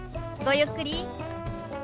ごゆっくり。